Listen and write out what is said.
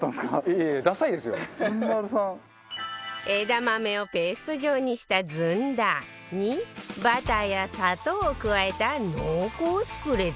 枝豆をペースト状にしたずんだにバターや砂糖を加えた濃厚スプレッド